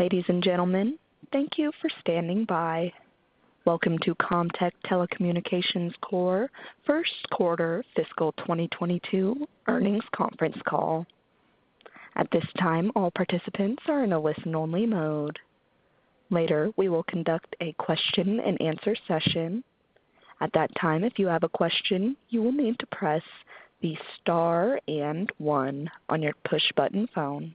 Ladies and gentlemen, thank you for standing by. Welcome to Comtech Telecommunications Corp. First Quarter Fiscal 2022 Earnings Conference Call. At this time, all participants are in a listen-only mode. Later, we will conduct a question-and-answer session. At that time, if you have a question, you will need to press the Star and one on your push button phone.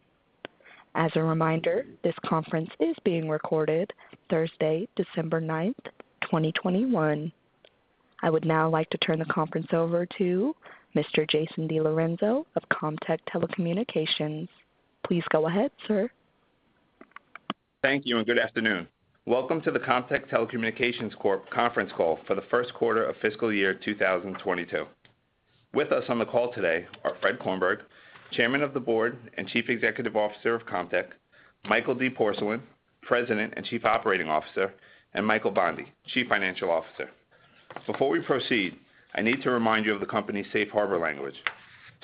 As a reminder, this conference is being recorded Thursday, December 9, 2021. I would now like to turn the conference over to Mr. Jason DiLorenzo of Comtech Telecommunications. Please go ahead, sir. Thank you and good afternoon. Welcome to the Comtech Telecommunications Corp. conference call for the first quarter of fiscal year 2022. With us on the call today are Fred Kornberg, Chairman of the Board and Chief Executive Officer of Comtech, Michael D. Porcelain, President and Chief Operating Officer, and Michael Bondi, Chief Financial Officer. Before we proceed, I need to remind you of the company's safe harbor language.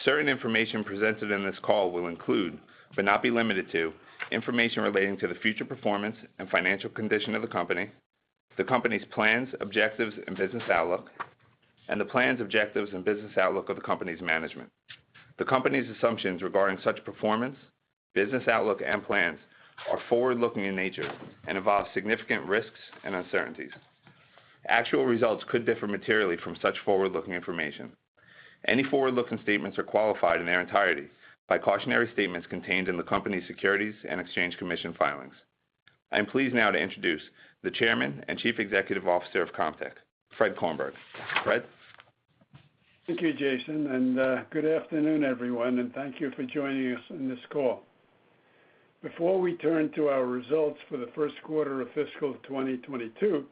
Certain information presented in this call will include, but not be limited to, information relating to the future performance and financial condition of the company, the company's plans, objectives, and business outlook, and the plans, objectives, and business outlook of the company's management. The company's assumptions regarding such performance, business outlook, and plans are forward-looking in nature and involve significant risks and uncertainties. Actual results could differ materially from such forward-looking information. Any forward-looking statements are qualified in their entirety by cautionary statements contained in the company's Securities and Exchange Commission filings. I am pleased now to introduce the Chairman and Chief Executive Officer of Comtech, Fred Kornberg. Fred. Thank you, Jason, and good afternoon, everyone, and thank you for joining us on this call. Before we turn to our results for the first quarter of fiscal 2022,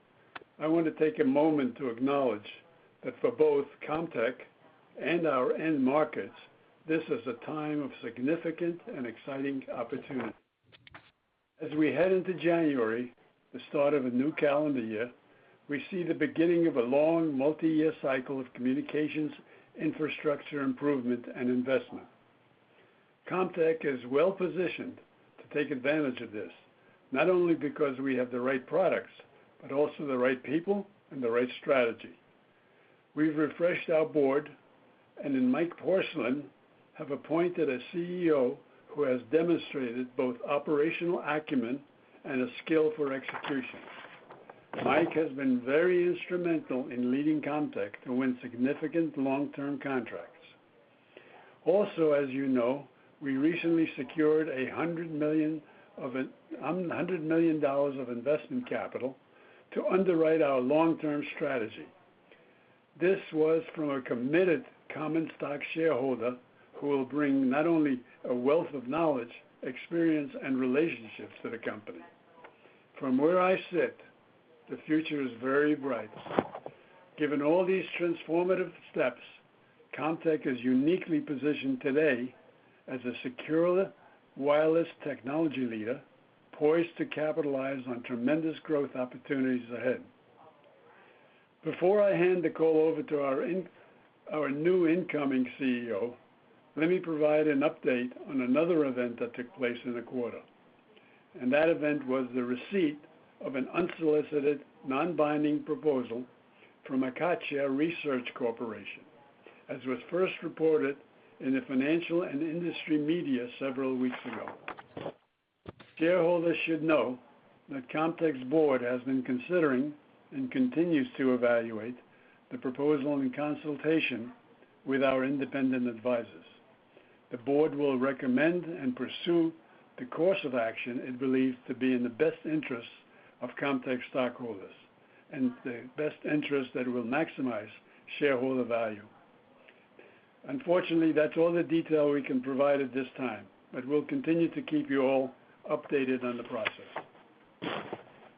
I want to take a moment to acknowledge that for both Comtech and our end markets, this is a time of significant and exciting opportunity. As we head into January, the start of a new calendar year, we see the beginning of a long, multi-year cycle of communications, infrastructure improvement, and investment. Comtech is well-positioned to take advantage of this, not only because we have the right products, but also the right people and the right strategy. We've refreshed our board and in Mike Porcelain have appointed a CEO who has demonstrated both operational acumen and a skill for execution. Mike has been very instrumental in leading Comtech to win significant long-term contracts. Also, as you know, we recently secured $100 million of investment capital to underwrite our long-term strategy. This was from a committed common stock shareholder who will bring not only a wealth of knowledge, experience, and relationships to the company. From where I sit, the future is very bright. Given all these transformative steps, Comtech is uniquely positioned today as a secure wireless technology leader poised to capitalize on tremendous growth opportunities ahead. Before I hand the call over to our new incoming CEO, let me provide an update on another event that took place in the quarter. That event was the receipt of an unsolicited, non-binding proposal from Acacia Research Corporation, as was first reported in the financial and industry media several weeks ago. Shareholders should know that Comtech's board has been considering and continues to evaluate the proposal in consultation with our independent advisors. The board will recommend and pursue the course of action it believes to be in the best interest of Comtech's stockholders and the best interest that will maximize shareholder value. Unfortunately, that's all the detail we can provide at this time, but we'll continue to keep you all updated on the process.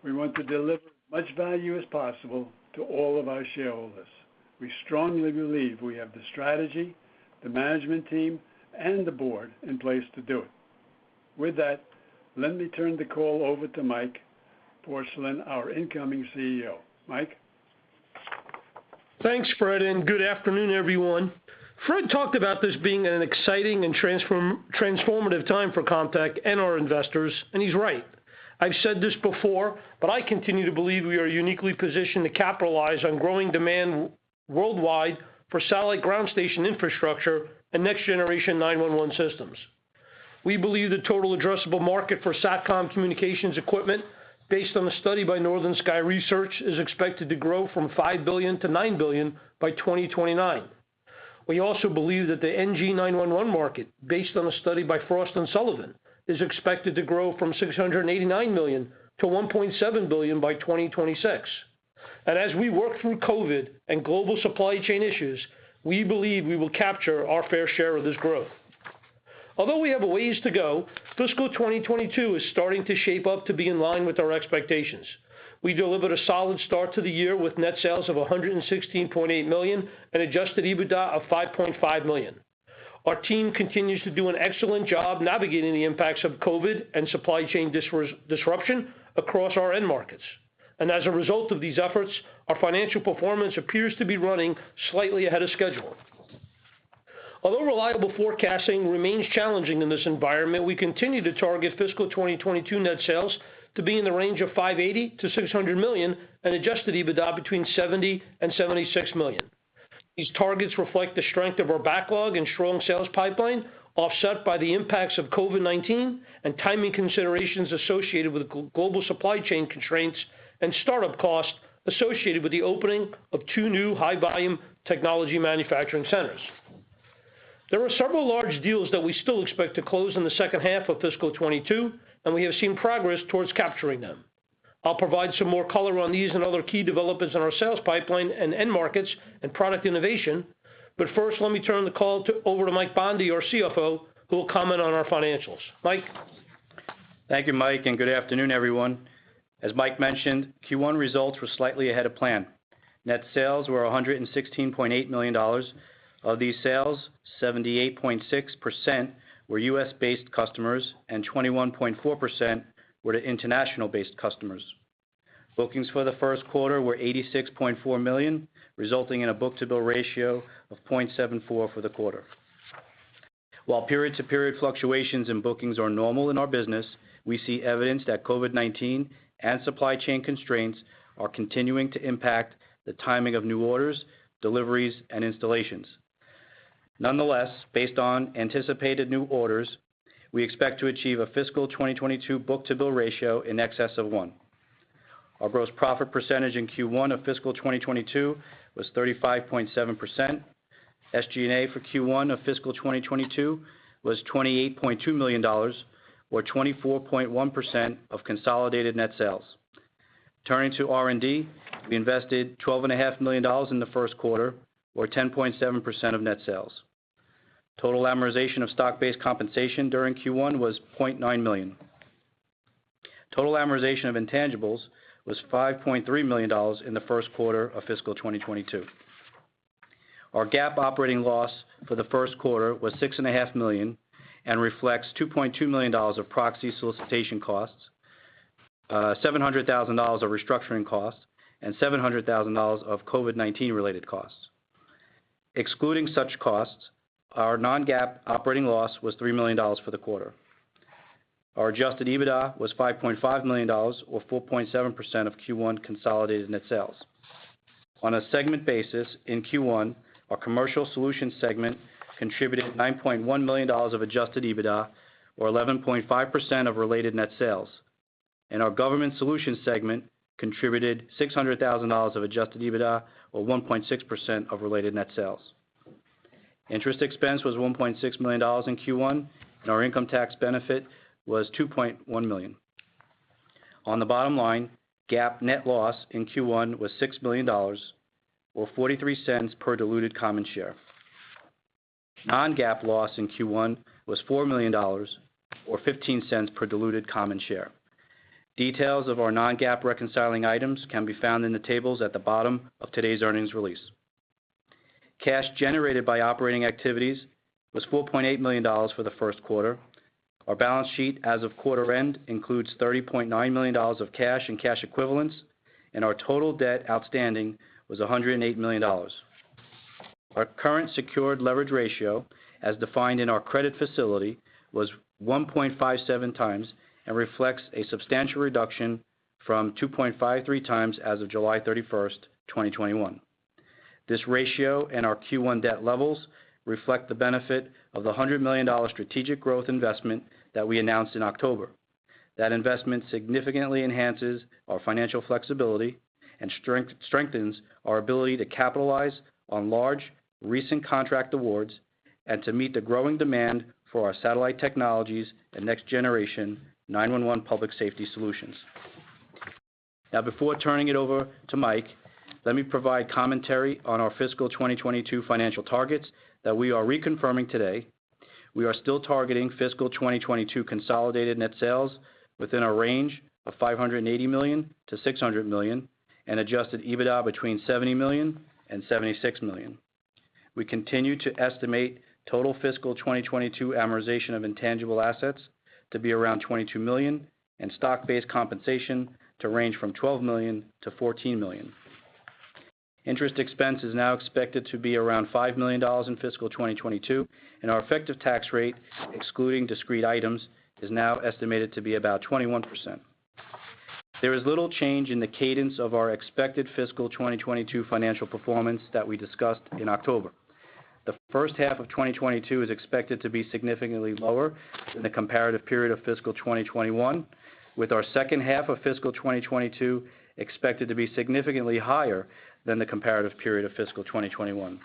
We want to deliver as much value as possible to all of our shareholders. We strongly believe we have the strategy, the management team, and the board in place to do it. With that, let me turn the call over to Mike Porcelain, our incoming CEO. Mike. Thanks, Fred, and good afternoon, everyone. Fred talked about this being an exciting and transformative time for Comtech and our investors, and he's right. I've said this before, but I continue to believe we are uniquely positioned to capitalize on growing demand worldwide for satellite ground station infrastructure and Next Generation 911 systems. We believe the total addressable market for Satcom communications equipment, based on a study by Northern Sky Research, is expected to grow from $5 billion-$9 billion by 2029. We also believe that the NG 911 market, based on a study by Frost & Sullivan, is expected to grow from $689 million-$1.7 billion by 2026. As we work through COVID and global supply chain issues, we believe we will capture our fair share of this growth. Although we have a ways to go, fiscal 2022 is starting to shape up to be in line with our expectations. We delivered a solid start to the year with net sales of $116.8 million and Adjusted EBITDA of $5.5 million. Our team continues to do an excellent job navigating the impacts of COVID and supply chain disruption across our end markets. As a result of these efforts, our financial performance appears to be running slightly ahead of schedule. Although reliable forecasting remains challenging in this environment, we continue to target fiscal 2022 net sales to be in the range of $580 million-$600 million and Adjusted EBITDA between $70 million-$76 million. These targets reflect the strength of our backlog and strong sales pipeline, offset by the impacts of COVID-19 and timing considerations associated with global supply chain constraints and start-up costs associated with the opening of two new high-volume technology manufacturing centers. There are several large deals that we still expect to close in the second half of fiscal 2022, and we have seen progress towards capturing them. I'll provide some more color on these and other key developments in our sales pipeline and end markets and product innovation. First, let me turn the call over to Mike Bondi, our CFO, who will comment on our financials. Mike. Thank you, Mike, and good afternoon, everyone. As Mike mentioned, Q1 results were slightly ahead of plan. Net sales were $116.8 million. Of these sales, 78.6% were U.S.-based customers and 21.4% were to international-based customers. Bookings for the first quarter were $86.4 million, resulting in a book-to-bill ratio of 0.74 for the quarter. While period-to-period fluctuations in bookings are normal in our business, we see evidence that COVID-19 and supply chain constraints are continuing to impact the timing of new orders, deliveries, and installations. Nonetheless, based on anticipated new orders, we expect to achieve a fiscal 2022 book-to-bill ratio in excess of one. Our gross profit percentage in Q1 of fiscal 2022 was 35.7%. SG&A for Q1 of fiscal 2022 was $28.2 million or 24.1% of consolidated net sales. Turning to R&D, we invested 12.5 million in the first quarter or 10.7% of net sales. Total amortization of stock-based compensation during Q1 was 0.9 million. Total amortization of intangibles was $5.3 million in the first quarter of fiscal 2022. Our GAAP operating loss for the first quarter was 6.5 million and reflects $2.2 million of proxy solicitation costs, seven hundred thousand dollars of restructuring costs, and seven hundred thousand dollars of COVID-19 related costs. Excluding such costs, our non-GAAP operating loss was $3 million for the quarter. Our adjusted EBITDA was $5.5 million or 4.7% of Q1 consolidated net sales. On a segment basis, in Q1, our Commercial Solutions segment contributed $9.1 million of Adjusted EBITDA or 11.5% of related net sales, and our Government Solutions segment contributed $600,000 of Adjusted EBITDA or 1.6% of related net sales. Interest expense was $1.6 million in Q1, and our income tax benefit was $2.1 million. On the bottom line, GAAP net loss in Q1 was $6 million or $0.43 per diluted common share. Non-GAAP loss in Q1 was $4 million or $0.15 per diluted common share. Details of our non-GAAP reconciling items can be found in the tables at the bottom of today's earnings release. Cash generated by operating activities was $4.8 million for the first quarter. Our balance sheet as of quarter end includes $30.9 million of cash and cash equivalents, and our total debt outstanding was $108 million. Our current secured leverage ratio, as defined in our credit facility, was 1.57 times and reflects a substantial reduction from 2.53 times as of July 31, 2021. This ratio and our Q1 debt levels reflect the benefit of the $100 million strategic growth investment that we announced in October. That investment significantly enhances our financial flexibility and strengthens our ability to capitalize on large recent contract awards and to meet the growing demand for our satellite technologies and next-generation 911 public safety solutions. Now, before turning it over to Mike, let me provide commentary on our fiscal 2022 financial targets that we are reconfirming today. We are still targeting fiscal 2022 consolidated net sales within a range of $580 million-$600 million and Adjusted EBITDA between $70 million-$76 million. We continue to estimate total fiscal 2022 amortization of intangible assets to be around $22 million and stock-based compensation to range from $12 million-$14 million. Interest expense is now expected to be around $5 million in fiscal 2022, and our effective tax rate, excluding discrete items, is now estimated to be about 21%. There is little change in the cadence of our expected fiscal 2022 financial performance that we discussed in October. The first half of 2022 is expected to be significantly lower than the comparative period of fiscal 2021, with our second half of fiscal 2022 expected to be significantly higher than the comparative period of fiscal 2021.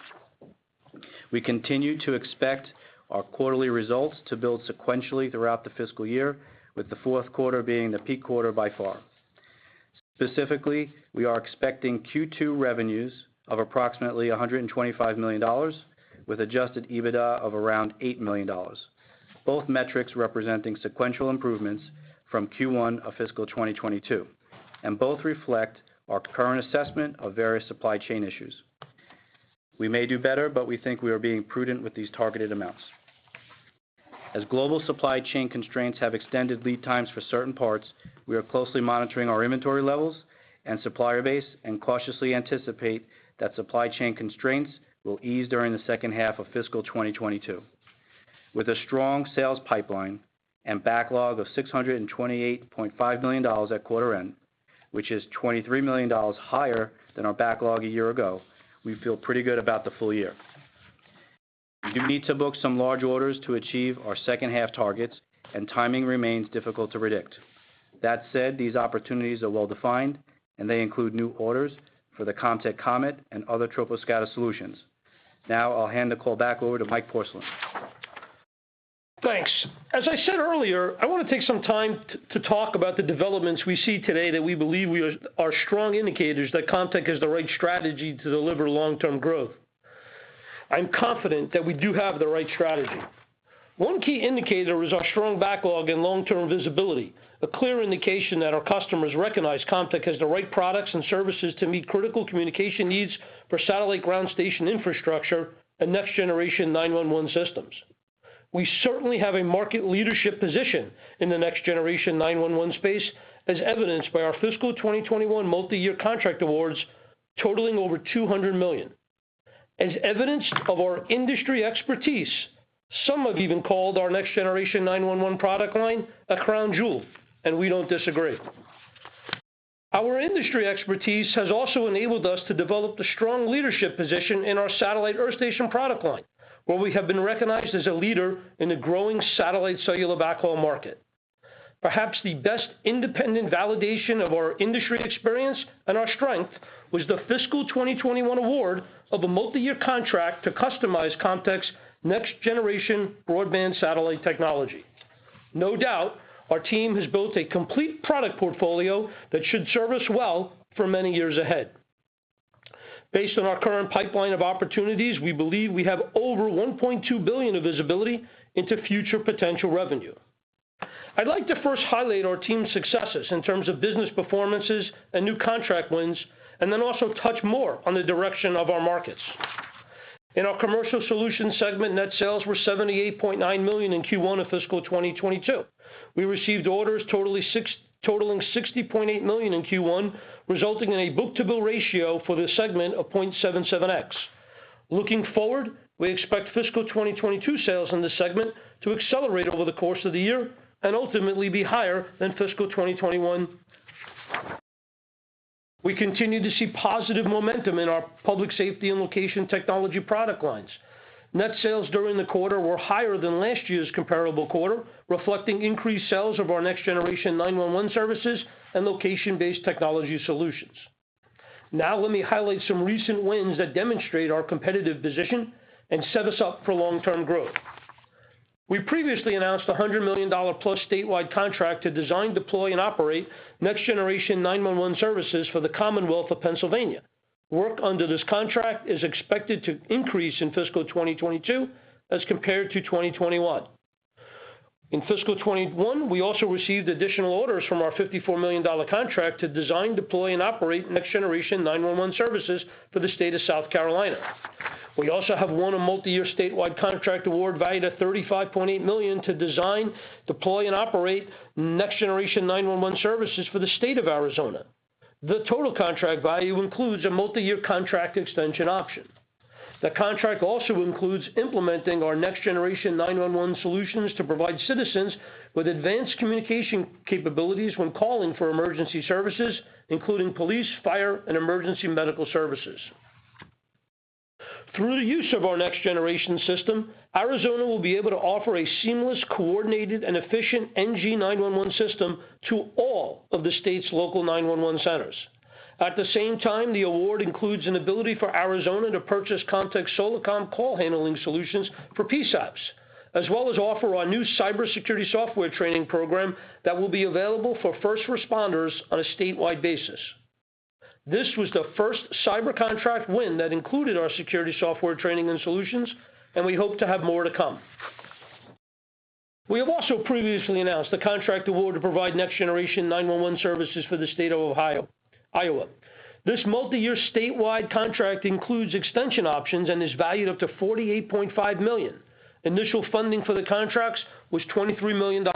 We continue to expect our quarterly results to build sequentially throughout the fiscal year, with the fourth quarter being the peak quarter by far. Specifically, we are expecting Q2 revenues of approximately $125 million with Adjusted EBITDA of around $8 million, both metrics representing sequential improvements from Q1 of fiscal 2022, and both reflect our current assessment of various supply chain issues. We may do better, but we think we are being prudent with these targeted amounts. As global supply chain constraints have extended lead times for certain parts, we are closely monitoring our inventory levels and supplier base and cautiously anticipate that supply chain constraints will ease during the second half of fiscal 2022. With a strong sales pipeline and backlog of $628.5 million at quarter end, which is $23 million higher than our backlog a year ago, we feel pretty good about the full year. We do need to book some large orders to achieve our second half targets and timing remains difficult to predict. That said, these opportunities are well-defined, and they include new orders for the Comtech COMET and other troposcatter solutions. Now I'll hand the call back over to Mike Porcelain. Thanks. As I said earlier, I want to take some time to talk about the developments we see today that we believe are strong indicators that Comtech has the right strategy to deliver long-term growth. I'm confident that we do have the right strategy. One key indicator is our strong backlog and long-term visibility, a clear indication that our customers recognize Comtech has the right products and services to meet critical communication needs for satellite ground station infrastructure and Next Generation 911 systems. We certainly have a market leadership position in the Next Generation 911 space, as evidenced by our fiscal 2021 multi-year contract awards totaling over $200 million. As evidence of our industry expertise, some have even called our Next Generation 911 product line a crown jewel, and we don't disagree. Our industry expertise has also enabled us to develop the strong leadership position in our satellite earth station product line, where we have been recognized as a leader in the growing satellite cellular backhaul market. Perhaps the best independent validation of our industry experience and our strength was the fiscal 2021 award of a multi-year contract to customize Comtech's next-generation broadband satellite technology. No doubt, our team has built a complete product portfolio that should serve us well for many years ahead. Based on our current pipeline of opportunities, we believe we have over $1.2 billion of visibility into future potential revenue. I'd like to first highlight our team's successes in terms of business performances and new contract wins, and then also touch more on the direction of our markets. In our Commercial Solutions segment, net sales were $78.9 million in Q1 of fiscal 2022. We received orders totaling $60.8 million in Q1, resulting in a book-to-bill ratio for this segment of 0.77x. Looking forward, we expect fiscal 2022 sales in this segment to accelerate over the course of the year and ultimately be higher than fiscal 2021. We continue to see positive momentum in our public safety and location technology product lines. Net sales during the quarter were higher than last year's comparable quarter, reflecting increased sales of our Next Generation 911 services and location-based technology solutions. Now let me highlight some recent wins that demonstrate our competitive position and set us up for long-term growth. We previously announced a $100 million-plus statewide contract to design, deploy, and operate Next Generation 911 services for the Commonwealth of Pennsylvania. Work under this contract is expected to increase in fiscal 2022 as compared to 2021. In fiscal 2021, we also received additional orders from our $54 million contract to design, deploy, and operate Next Generation 911 services for the state of South Carolina. We also have won a multi-year statewide contract award valued at $35.8 million to design, deploy, and operate Next Generation 911 services for the state of Arizona. The total contract value includes a multi-year contract extension option. The contract also includes implementing our Next Generation 911 solutions to provide citizens with advanced communication capabilities when calling for emergency services, including police, fire, and emergency medical services. Through the use of our Next Generation system, Arizona will be able to offer a seamless, coordinated, and efficient NG911 system to all of the state's local 911 centers. At the same time, the award includes an ability for Arizona to purchase Comtech Solacom call handling solutions for PSAPs, as well as offer our new cybersecurity software training program that will be available for first responders on a statewide basis. This was the first cyber contract win that included our security software training and solutions, and we hope to have more to come. We have also previously announced a contract award to provide Next Generation 911 services for the state of Iowa. This multi-year statewide contract includes extension options and is valued up to $48.5 million. Initial funding for the contracts was $23 million.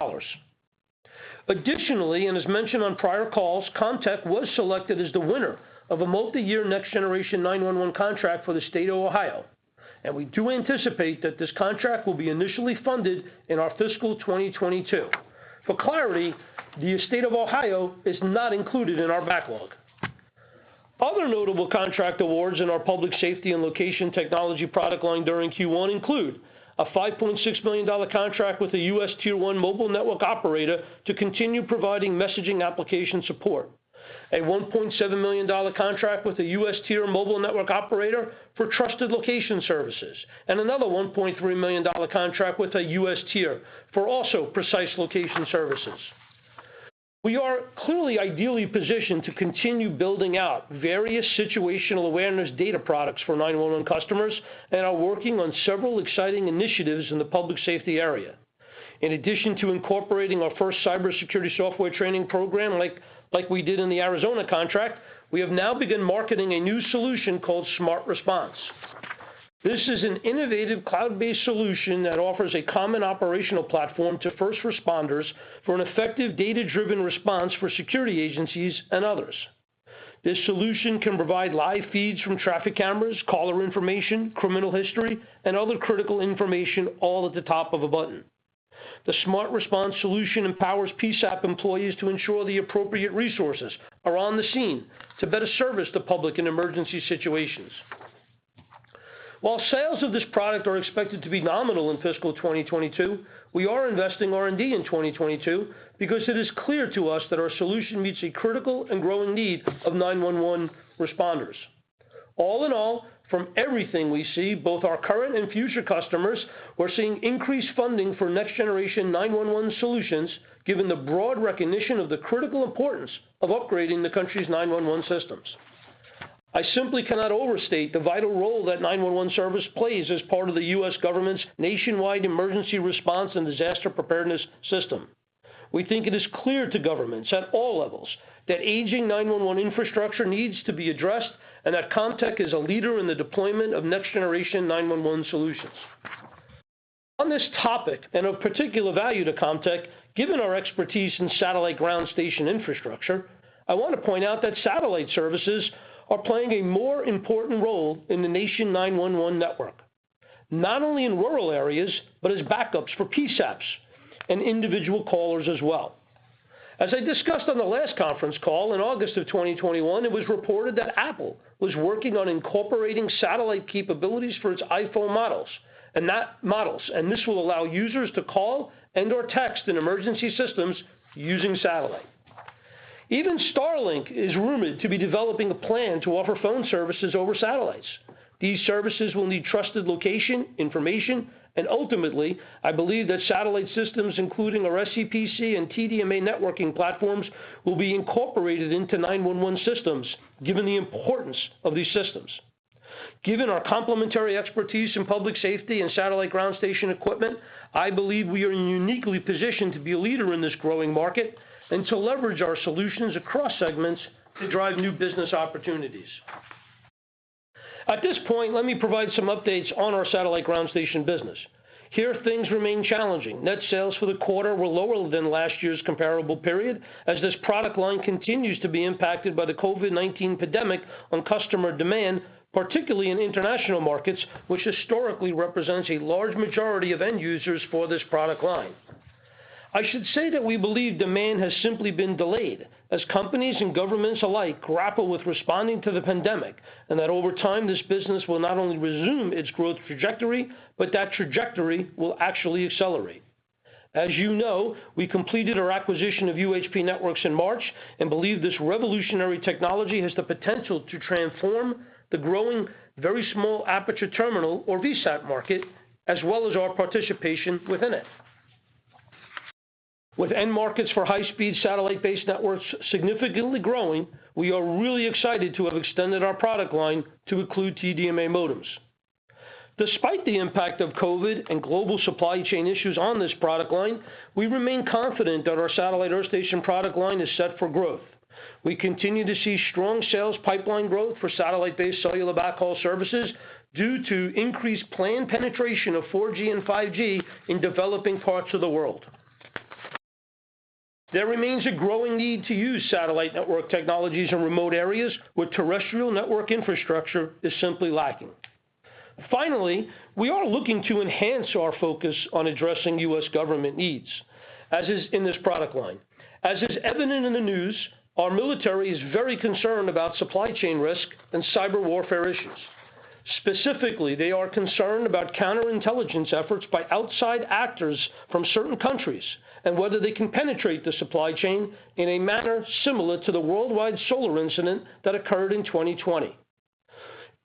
Additionally, as mentioned on prior calls, Comtech was selected as the winner of a multi-year Next Generation 911 contract for the state of Ohio, and we do anticipate that this contract will be initially funded in our fiscal 2022. For clarity, the state of Ohio is not included in our backlog. Other notable contract awards in our public safety and location technology product line during Q1 include a $5.6 million contract with a U.S. tier 1 mobile network operator to continue providing messaging application support, a $1.7 million contract with a U.S. tier mobile network operator for trusted location services, and another $1.3 million contract with a U.S. tier for also precise location services. We are clearly ideally positioned to continue building out various situational awareness data products for 911 customers and are working on several exciting initiatives in the public safety area. In addition to incorporating our first cybersecurity software training program like we did in the Arizona contract, we have now begun marketing a new solution called SmartResponse. This is an innovative cloud-based solution that offers a common operational platform to first responders for an effective data-driven response for security agencies and others. This solution can provide live feeds from traffic cameras, caller information, criminal history, and other critical information, all at the top of a button. The SmartResponse Solution empowers PSAP employees to ensure the appropriate resources are on the scene to better service the public in emergency situations. While sales of this product are expected to be nominal in fiscal 2022, we are investing R&D in 2022 because it is clear to us that our solution meets a critical and growing need of 911 responders. All in all, from everything we see, both our current and future customers are seeing increased funding for Next Generation 911 solutions, given the broad recognition of the critical importance of upgrading the country's 911 systems. I simply cannot overstate the vital role that 911 service plays as part of the U.S. government's nationwide emergency response and disaster preparedness system. We think it is clear to governments at all levels that aging 911 infrastructure needs to be addressed, and that Comtech is a leader in the deployment of Next Generation 911 solutions. On this topic, and of particular value to Comtech, given our expertise in satellite ground station infrastructure, I want to point out that satellite services are playing a more important role in the nation's 911 network, not only in rural areas, but as backups for PSAPs and individual callers as well. As I discussed on the last conference call in August 2021, it was reported that Apple was working on incorporating satellite capabilities for its iPhone models, and this will allow users to call and/or text in emergency systems using satellite. Even Starlink is rumored to be developing a plan to offer phone services over satellites. These services will need trusted location information, and ultimately, I believe that satellite systems, including our SCPC and TDMA networking platforms, will be incorporated into 911 systems, given the importance of these systems. Given our complementary expertise in public safety and satellite ground station equipment, I believe we are uniquely positioned to be a leader in this growing market and to leverage our solutions across segments to drive new business opportunities. At this point, let me provide some updates on our satellite ground station business. Here, things remain challenging. Net sales for the quarter were lower than last year's comparable period, as this product line continues to be impacted by the COVID-19 pandemic on customer demand, particularly in international markets, which historically represents a large majority of end users for this product line. I should say that we believe demand has simply been delayed as companies and governments alike grapple with responding to the pandemic, and that over time, this business will not only resume its growth trajectory, but that trajectory will actually accelerate. As you know, we completed our acquisition of UHP Networks in March and believe this revolutionary technology has the potential to transform the growing very small aperture terminal or VSAT market, as well as our participation within it. With end markets for high-speed satellite-based networks significantly growing, we are really excited to have extended our product line to include TDMA modems. Despite the impact of COVID and global supply chain issues on this product line, we remain confident that our satellite earth station product line is set for growth. We continue to see strong sales pipeline growth for satellite-based cellular backhaul services due to increased penetration of 4G and 5G in developing parts of the world. There remains a growing need to use satellite network technologies in remote areas where terrestrial network infrastructure is simply lacking. Finally, we are looking to enhance our focus on addressing U.S. government needs, as is in this product line. As is evident in the news, our military is very concerned about supply chain risk and cyber warfare issues. Specifically, they are concerned about counterintelligence efforts by outside actors from certain countries and whether they can penetrate the supply chain in a manner similar to the worldwide SolarWinds incident that occurred in 2020.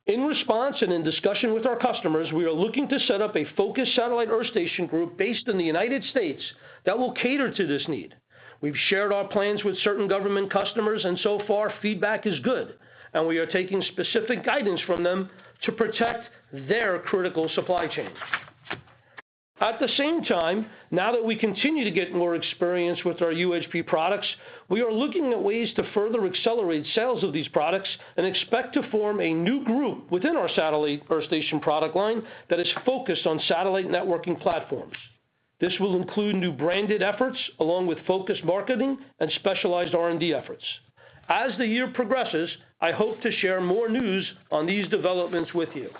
In response and in discussion with our customers, we are looking to set up a focused satellite earth station group based in the United States that will cater to this need. We've shared our plans with certain government customers, and so far, feedback is good, and we are taking specific guidance from them to protect their critical supply chain. At the same time, now that we continue to get more experience with our UHP products, we are looking at ways to further accelerate sales of these products and expect to form a new group within our satellite earth station product line that is focused on satellite networking platforms. This will include new branded efforts along with focused marketing and specialized R&D efforts. As the year progresses, I hope to share more news on these developments with you.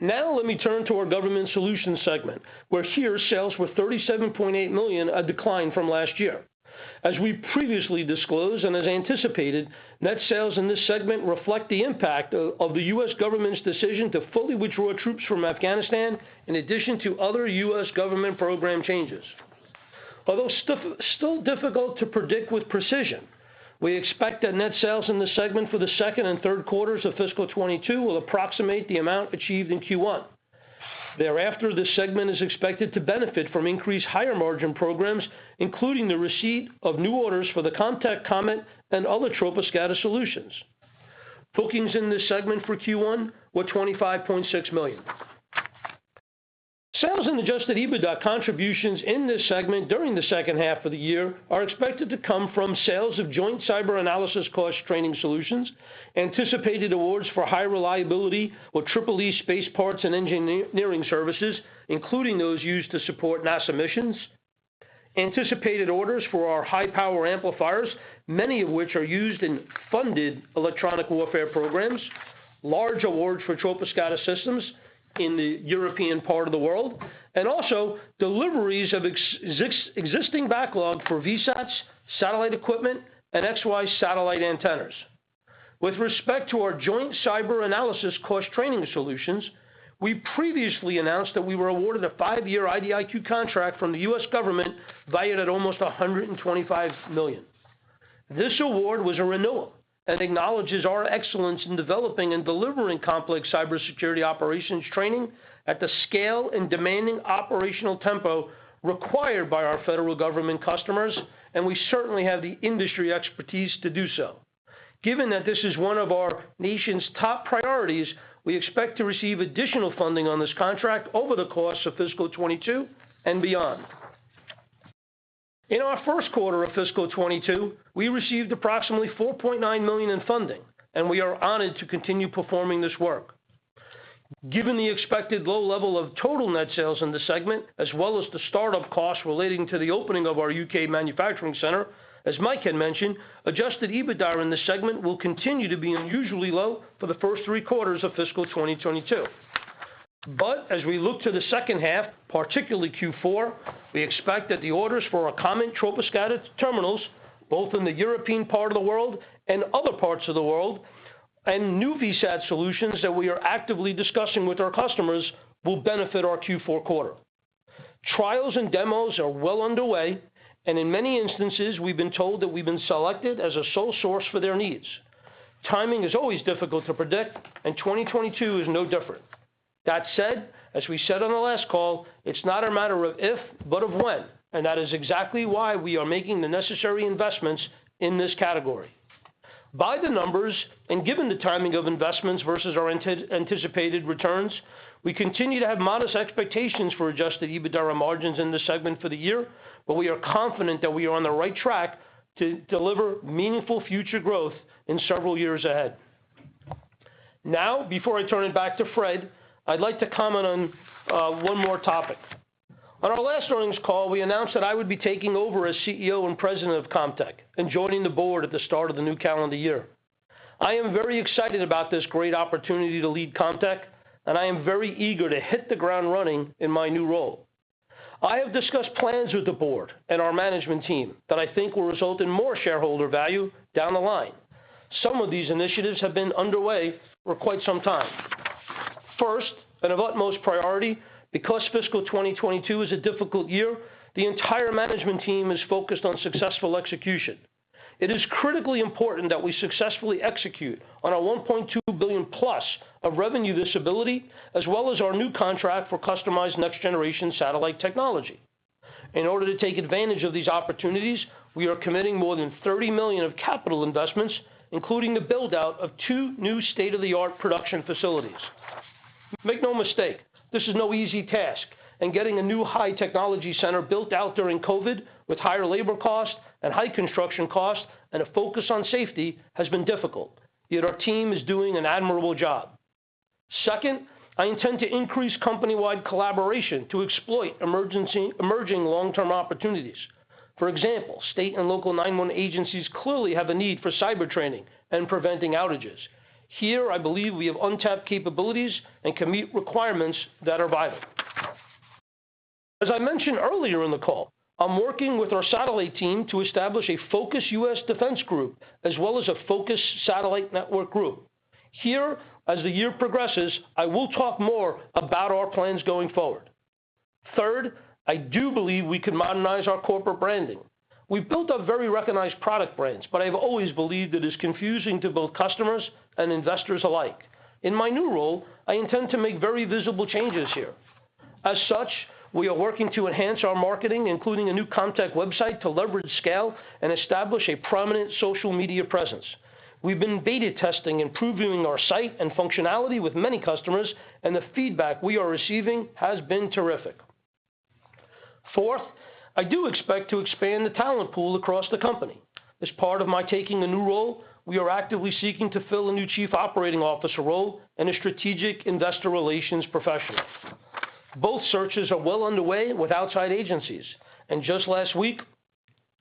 Now let me turn to our Government Solutions segment, where sales were $37.8 million, a decline from last year. As we previously disclosed and as anticipated, net sales in this segment reflect the impact of the U.S. government's decision to fully withdraw troops from Afghanistan, in addition to other U.S. government program changes. Although still difficult to predict with precision, we expect that net sales in this segment for the second and third quarters of fiscal 2022 will approximate the amount achieved in Q1. Thereafter, this segment is expected to benefit from increased higher margin programs, including the receipt of new orders for the Comtech COMET and other troposcatter solutions. Bookings in this segment for Q1 were $25.6 million. Sales and Adjusted EBITDA contributions in this segment during the second half of the year are expected to come from sales of Joint Cyber Analysis Course training solutions, anticipated awards for high-reliability EEE space parts and antenna engineering services, including those used to support NASA missions. Anticipated orders for our high power amplifiers, many of which are used in funded electronic warfare programs, large awards for troposcatter systems in the European part of the world, and also deliveries of existing backlog for VSATs, satellite equipment, and X/Y satellite antennas. With respect to our Joint Cyber Analysis Course training solutions, we previously announced that we were awarded a five-year IDIQ contract from the U.S. government valued at almost $125 million. This award was a renewal and acknowledges our excellence in developing and delivering complex cybersecurity operations training at the scale and demanding operational tempo required by our federal government customers, and we certainly have the industry expertise to do so. Given that this is one of our nation's top priorities, we expect to receive additional funding on this contract over the course of fiscal 2022 and beyond. In our first quarter of fiscal 2022, we received approximately $4.9 million in funding, and we are honored to continue performing this work. Given the expected low level of total net sales in the segment, as well as the start-up costs relating to the opening of our U.K. manufacturing center, as Mike had mentioned, Adjusted EBITDA in this segment will continue to be unusually low for the first three quarters of fiscal 2022. As we look to the second half, particularly Q4, we expect that the orders for our COMET troposcatter terminals, both in the European part of the world and other parts of the world, and new VSAT solutions that we are actively discussing with our customers will benefit our Q4 quarter. Trials and demos are well underway, and in many instances, we've been told that we've been selected as a sole source for their needs. Timing is always difficult to predict, and 2022 is no different. That said, as we said on the last call, it's not a matter of if, but of when, and that is exactly why we are making the necessary investments in this category. By the numbers, and given the timing of investments versus our anticipated returns, we continue to have modest expectations for Adjusted EBITDA margins in this segment for the year, but we are confident that we are on the right track to deliver meaningful future growth in several years ahead. Now, before I turn it back to Fred, I'd like to comment on one more topic. On our last earnings call, we announced that I would be taking over as CEO and President of Comtech and joining the board at the start of the new calendar year. I am very excited about this great opportunity to lead Comtech, and I am very eager to hit the ground running in my new role. I have discussed plans with the board and our management team that I think will result in more shareholder value down the line. Some of these initiatives have been underway for quite some time. First, and of utmost priority, because fiscal 2022 is a difficult year, the entire management team is focused on successful execution. It is critically important that we successfully execute on our $1.2 billion-plus of revenue visibility, as well as our new contract for customized next-generation satellite technology. In order to take advantage of these opportunities, we are committing more than $30 million of capital investments, including the build-out of two new state-of-the-art production facilities. Make no mistake, this is no easy task, and getting a new high technology center built out during COVID with higher labor costs and high construction costs and a focus on safety has been difficult, yet our team is doing an admirable job. Second, I intend to increase company-wide collaboration to exploit emerging long-term opportunities. For example, state and local 911 agencies clearly have a need for cyber training and preventing outages. Here, I believe we have untapped capabilities and can meet requirements that are vital. As I mentioned earlier in the call, I'm working with our satellite team to establish a focused U.S. defense group as well as a focused satellite network group. Here, as the year progresses, I will talk more about our plans going forward. Third, I do believe we can modernize our corporate branding. We've built up very recognized product brands, but I've always believed that it's confusing to both customers and investors alike. In my new role, I intend to make very visible changes here. As such, we are working to enhance our marketing, including a new Comtech website to leverage scale and establish a prominent social media presence. We've been beta testing and previewing our site and functionality with many customers, and the feedback we are receiving has been terrific. Fourth, I do expect to expand the talent pool across the company. As part of my taking the new role, we are actively seeking to fill a new chief operating officer role and a strategic investor relations professional. Both searches are well underway with outside agencies. Just last week,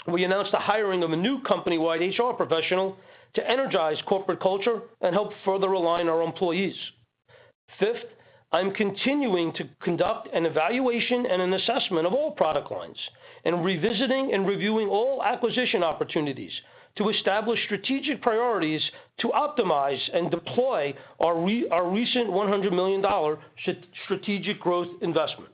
we announced the hiring of a new company-wide HR professional to energize corporate culture and help further align our employees. Fifth, I'm continuing to conduct an evaluation and an assessment of all product lines and revisiting and reviewing all acquisition opportunities to establish strategic priorities to optimize and deploy our recent $100 million strategic growth investment.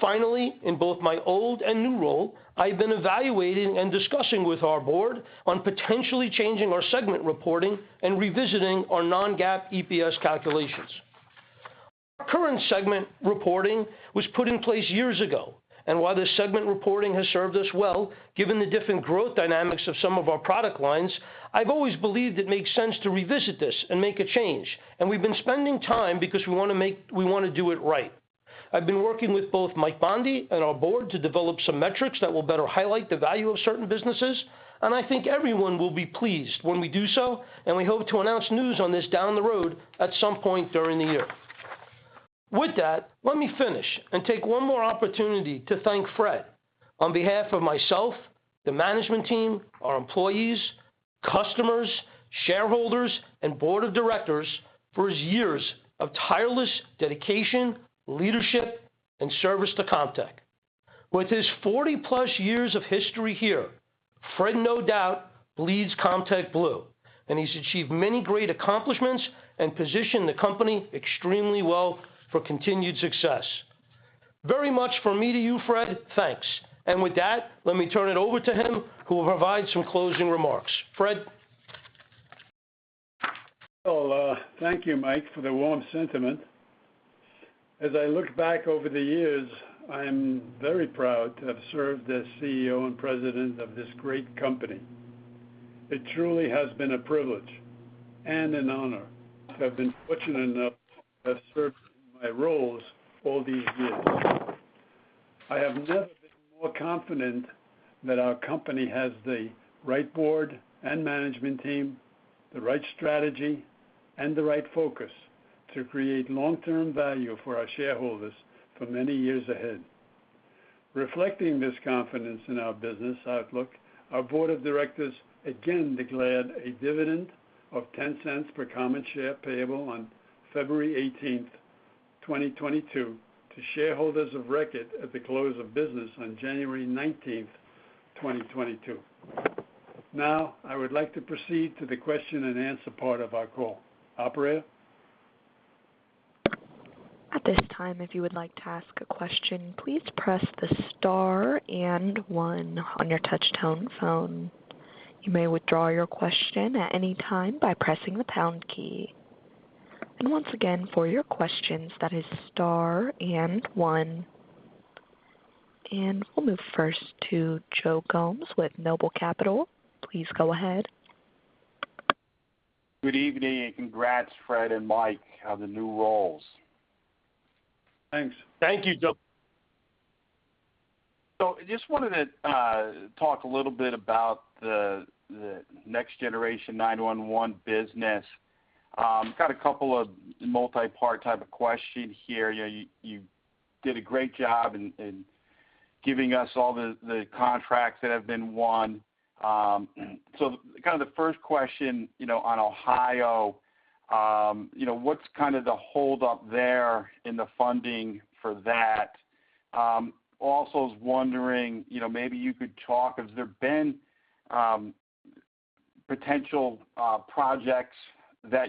Finally, in both my old and new role, I've been evaluating and discussing with our board on potentially changing our segment reporting and revisiting our non-GAAP EPS calculations. Our current segment reporting was put in place years ago. While the segment reporting has served us well, given the different growth dynamics of some of our product lines, I've always believed it makes sense to revisit this and make a change. We've been spending time because we wanna do it right. I've been working with both Mike Bondi and our board to develop some metrics that will better highlight the value of certain businesses, and I think everyone will be pleased when we do so, and we hope to announce news on this down the road at some point during the year. With that, let me finish and take one more opportunity to thank Fred on behalf of myself, the management team, our employees, customers, shareholders, and board of directors for his years of tireless dedication, leadership, and service to Comtech. With his 40+ years of history here, Fred no doubt bleeds Comtech blue, and he's achieved many great accomplishments and positioned the company extremely well for continued success. Very much from me to you, Fred, thanks. With that, let me turn it over to him, who will provide some closing remarks. Fred? Well, thank you, Mike, for the warm sentiment. As I look back over the years, I am very proud to have served as CEO and President of this great company. It truly has been a privilege and an honor to have been fortunate enough to have served in my roles all these years. I have never been more confident that our company has the right board and management team, the right strategy, and the right focus to create long-term value for our shareholders for many years ahead. Reflecting this confidence in our business outlook, our board of directors again declared a dividend of $0.10 per common share payable on February 18, 2022, to shareholders of record at the close of business on January 19, 2022. Now, I would like to proceed to the question and answer part of our call. Operator? At this time, if you would like to ask a question, please press the star and one on your touch tone phone. You may withdraw your question at any time by pressing the pound key. Once again, for your questions, that is star and one. We'll move first to Joe Gomes with Noble Capital. Please go ahead. Good evening, and congrats, Fred and Mike, on the new roles. Thanks. Thank you, Joe. I just wanted to talk a little bit about the Next Generation 911 business. Got a couple of multi-part type of questions here. You know, you did a great job in giving us all the contracts that have been won. Kind of the first question, you know, on Ohio, you know, what's kind of the hold up there in the funding for that? Also was wondering, you know, maybe you could talk, has there been potential projects that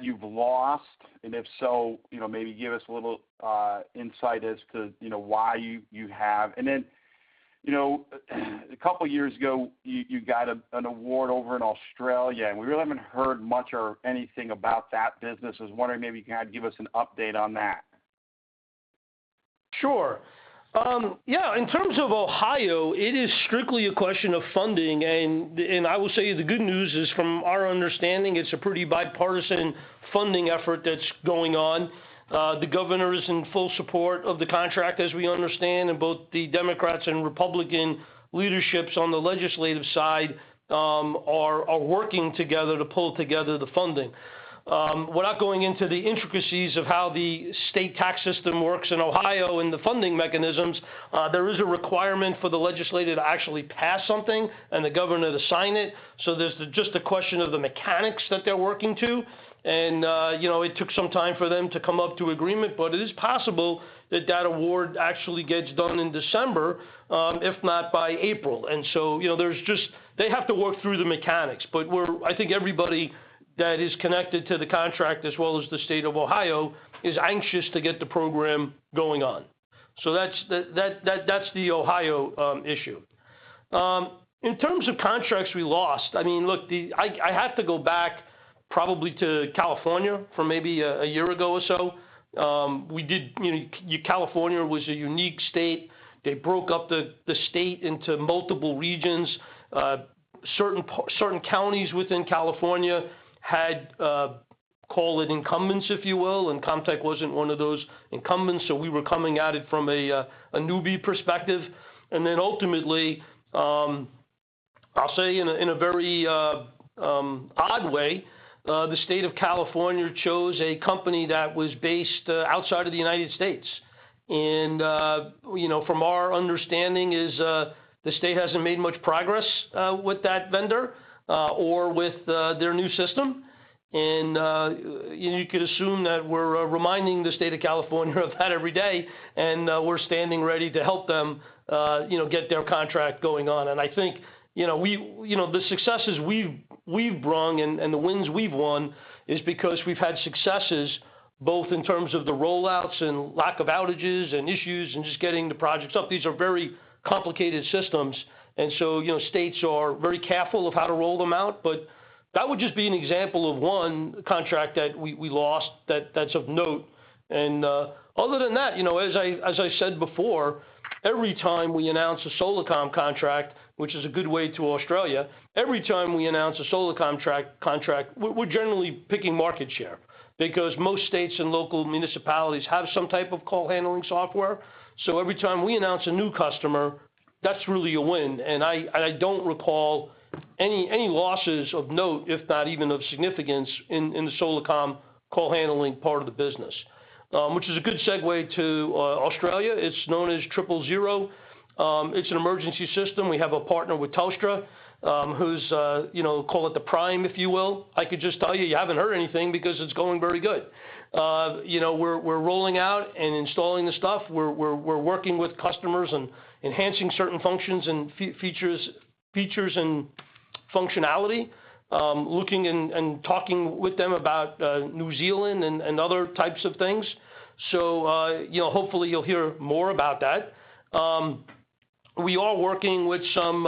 you've lost? If so, you know, maybe give us a little insight as to, you know, why you have. A couple years ago, you got an award over in Australia, and we really haven't heard much or anything about that business, was wondering maybe you can give us an update on that. Sure. Yeah, in terms of Ohio, it is strictly a question of funding, and I will say the good news is from our understanding, it's a pretty bipartisan funding effort that's going on. The governor is in full support of the contract, as we understand, and both the Democratic and Republican leaderships on the legislative side are working together to pull together the funding. Without going into the intricacies of how the state tax system works in Ohio and the funding mechanisms, there is a requirement for the legislature to actually pass something and the governor to sign it. There's just a question of the mechanics that they're working to. You know, it took some time for them to come to agreement, but it is possible that award actually gets done in December, if not by April. You know, they have to work through the mechanics. I think everybody that is connected to the contract as well as the state of Ohio is anxious to get the program going on. That's the Ohio issue. In terms of contracts we lost, I mean, look, I have to go back probably to California for maybe a year ago or so. We did, you know, California was a unique state. They broke up the state into multiple regions. Certain counties within California had, call it incumbents, if you will, and Comtech wasn't one of those incumbents, so we were coming at it from a newbie perspective. Then ultimately, I'll say in a very odd way, the state of California chose a company that was based outside of the United States. You know, from our understanding is, the state hasn't made much progress with that vendor or with their new system. You know, you could assume that we're reminding the state of California of that every day, and we're standing ready to help them, you know, get their contract going on. I think, you know, the successes we've brung and the wins we've won is because we've had successes both in terms of the rollouts and lack of outages and issues and just getting the projects up. These are very complicated systems. you know, states are very careful of how to roll them out. That would just be an example of one contract that we lost that's of note. Other than that, you know, as I said before, every time we announce a Solacom contract, which is a good gateway to Australia, we're generally gaining market share because most states and local municipalities have some type of call handling software. So every time we announce a new customer, that's really a win. I don't recall any losses of note, if not even of significance in the Solacom call handling part of the business. Which is a good segue to Australia. It's known as Triple Zero. It's an emergency system. We have a partner with Telstra, who's, you know, call it the prime, if you will. I could just tell you haven't heard anything because it's going very good. You know, we're working with customers and enhancing certain functions and features and functionality, looking and talking with them about New Zealand and other types of things. You know, hopefully you'll hear more about that. We are working with some,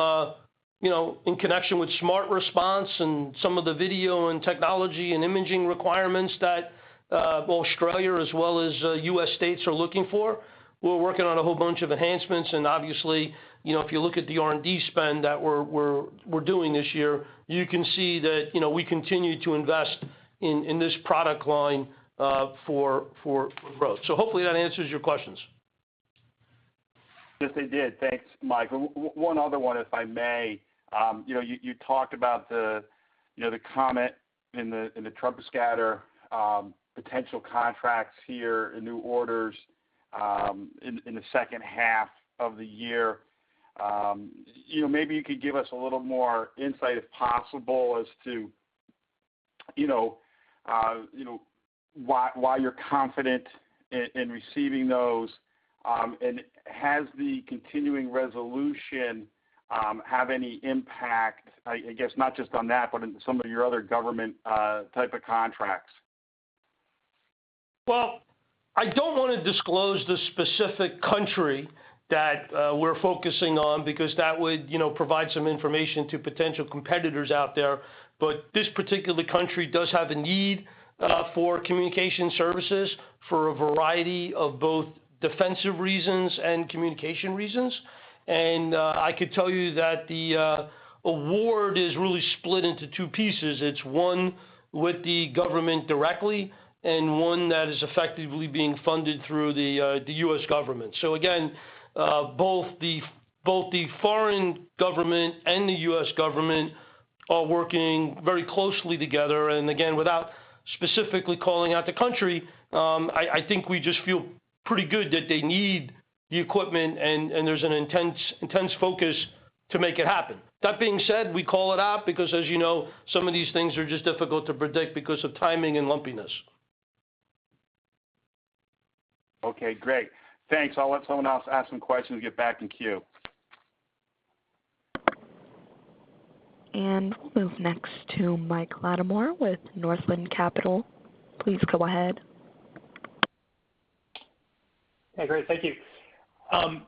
you know, in connection with SmartResponse and some of the video and technology and imaging requirements that, well, Australia as well as U.S. states are looking for. We're working on a whole bunch of enhancements. Obviously, you know, if you look at the R&D spend that we're doing this year, you can see that, you know, we continue to invest in this product line for growth. Hopefully, that answers your questions. Yes, they did. Thanks, Mike. One other one, if I may. You know, you talked about the, you know, the comment in the, in the troposcatter, potential contracts here and new orders, in the second half of the year. You know, maybe you could give us a little more insight, if possible, as to, you know, why you're confident in receiving those. And has the continuing resolution, have any impact, I guess not just on that, but in some of your other government, type of contracts? Well, I don't wanna disclose the specific country that we're focusing on because that would, you know, provide some information to potential competitors out there. But this particular country does have a need for communication services for a variety of both defensive reasons and communication reasons. I could tell you that the award is really split into two pieces. It's one with the government directly and one that is effectively being funded through the U.S. government. Again, both the foreign government and the U.S. government are working very closely together. Again, without specifically calling out the country, I think we just feel pretty good that they need the equipment and there's an intense focus to make it happen. That being said, we call it out because, as you know, some of these things are just difficult to predict because of timing and lumpiness. Okay, great. Thanks. I'll let someone else ask some questions and get back in queue. We'll move next to Mike Latimore with Northland Capital. Please go ahead. Hey, great. Thank you. I'm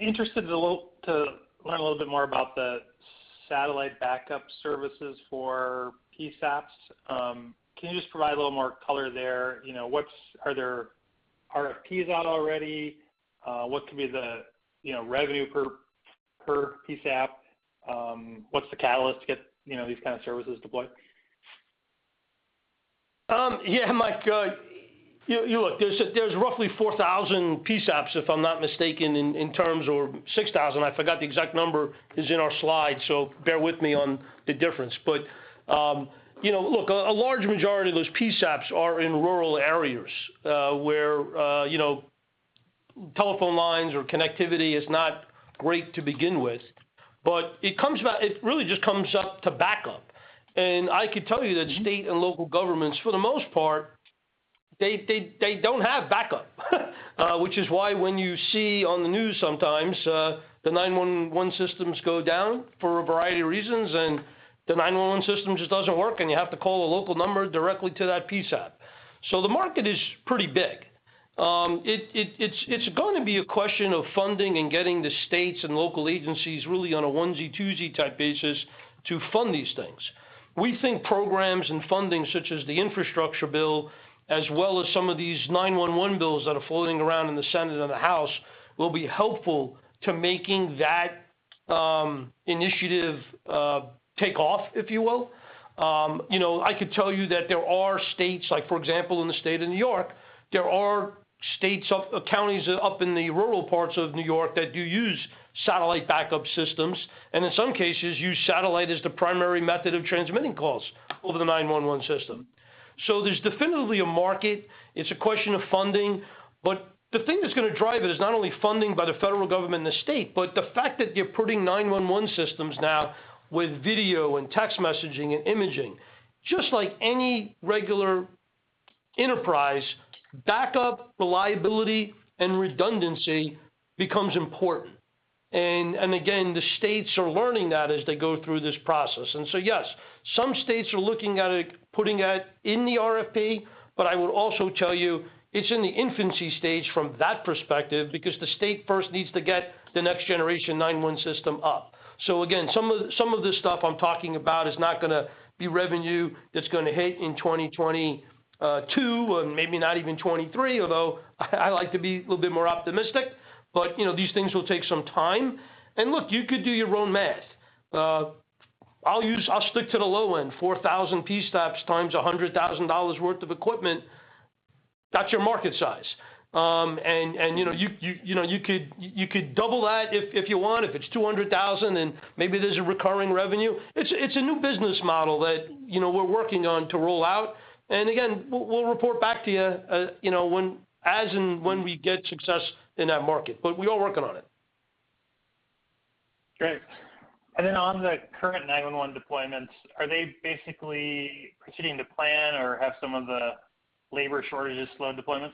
interested to learn a little bit more about the satellite backup services for PSAPs. Can you just provide a little more color there? You know, are there RFPs out already? What could be the, you know, revenue per PSAP? What's the catalyst to get, you know, these kind of services deployed? Yeah, Mike, you know, there's roughly 4,000 PSAPs, if I'm not mistaken, in the U.S. or 6,000. I forgot the exact number. It's in our slides, so bear with me on the difference. You know, look, a large majority of those PSAPs are in rural areas, where you know telephone lines or connectivity is not great to begin with. It really just comes up to backup. I could tell you that state and local governments, for the most part, they don't have backup. Which is why when you see on the news sometimes, the 911 systems go down for a variety of reasons, and the 911 system just doesn't work, and you have to call a local number directly to that PSAP. The market is pretty big. It's gonna be a question of funding and getting the states and local agencies really on a onesie-twosie type basis to fund these things. We think programs and funding such as the infrastructure bill, as well as some of these 911 bills that are floating around in the Senate and the House, will be helpful to making that initiative take off, if you will. You know, I could tell you that there are counties up in the rural parts of New York that do use satellite backup systems, and in some cases use satellite as the primary method of transmitting calls over the 911 system. There's definitely a market. It's a question of funding. The thing that's gonna drive it is not only funding by the federal government and the state, but the fact that you're putting 911 systems now with video and text messaging and imaging. Just like any regular enterprise, backup reliability and redundancy becomes important. The states are learning that as they go through this process. Yes, some states are looking at it, putting it in the RFP, but I will also tell you it's in the infancy stage from that perspective because the state first needs to get the Next Generation 911 system up. Again, some of this stuff I'm talking about is not gonna be revenue that's gonna hit in 2022, or maybe not even 2023, although I like to be a little bit more optimistic, but you know, these things will take some time. Look, you could do your own math. I'll stick to the low end, 4,000 PSAPs times $100,000 worth of equipment. That's your market size. And you know, you could double that if you want, if it's $200,000 and maybe there's a recurring revenue. It's a new business model that you know, we're working on to roll out. Again, we'll report back to you know, when as and when we get success in that market. But we are working on it. Great. On the current 911 deployments, are they basically proceeding to plan or have some of the labor shortages slowed deployments?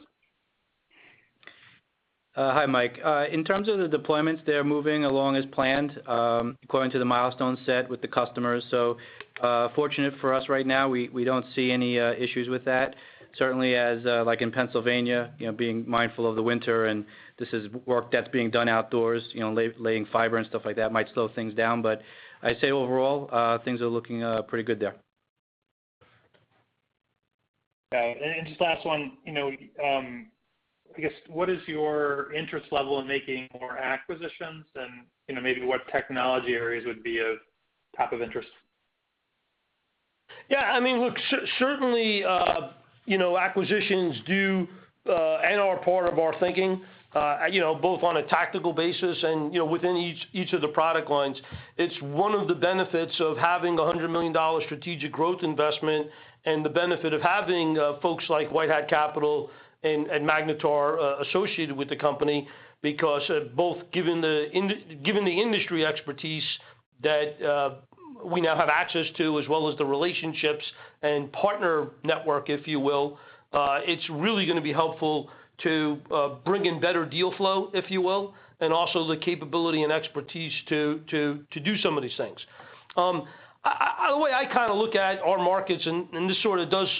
Hi, Mike. In terms of the deployments, they're moving along as planned, according to the milestones set with the customers. Fortunate for us right now, we don't see any issues with that. Certainly, as like in Pennsylvania, you know, being mindful of the winter, and this is work that's being done outdoors, you know, laying fiber and stuff like that might slow things down. I'd say overall, things are looking pretty good there. Got it. Just last one, you know, I guess, what is your interest level in making more acquisitions? You know, maybe what technology areas would be of top interest? Yeah, I mean, look, certainly, you know, acquisitions do and are part of our thinking, you know, both on a tactical basis and, you know, within each of the product lines. It's one of the benefits of having $100 million strategic growth investment and the benefit of having, folks like White Hat Capital and Magnetar, associated with the company because, both given the industry expertise that, we now have access to, as well as the relationships and partner network, if you will, it's really gonna be helpful to, bring in better deal flow, if you will, and also the capability and expertise to, do some of these things. I see the way I kinda look at our markets, and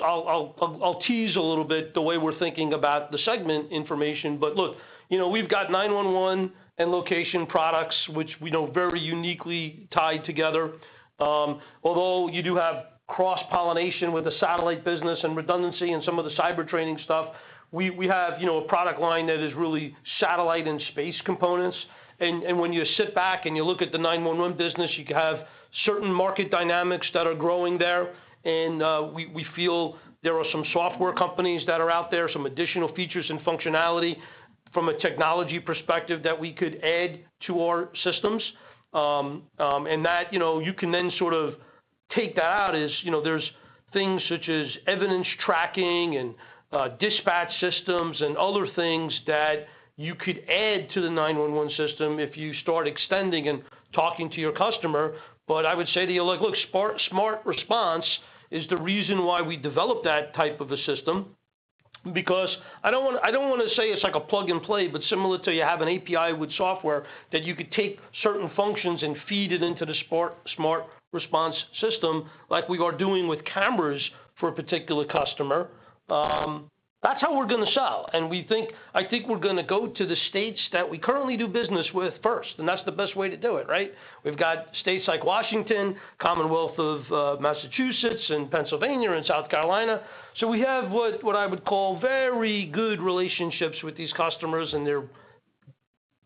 I'll tease a little bit the way we're thinking about the segment information. Look, you know, we've got 911 and location products, which we know very uniquely tied together. Although you do have cross-pollination with the satellite business and redundancy and some of the cyber training stuff, we have, you know, a product line that is really satellite and space components. When you sit back and you look at the 911 business, you have certain market dynamics that are growing there. We feel there are some software companies that are out there, some additional features and functionality from a technology perspective that we could add to our systems. That, you know, you can then sort of take that out as, you know, there's things such as evidence tracking and dispatch systems and other things that you could add to the 911 system if you start extending and talking to your customer. I would say to you, look, SmartResponse is the reason why we developed that type of a system because I don't wanna say it's like a plug and play, but similar to you have an API with software that you could take certain functions and feed it into the SmartResponse system like we are doing with cameras for a particular customer. That's how we're gonna sell. I think we're gonna go to the states that we currently do business with first, and that's the best way to do it, right? We've got states like Washington, Commonwealth of Massachusetts, and Pennsylvania, and South Carolina. We have what I would call very good relationships with these customers, and they're